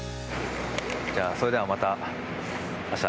じゃあ、それではまた明日。